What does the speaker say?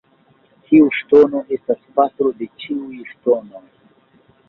Kiu ŝtono estas patro de ĉiuj ŝtonoj?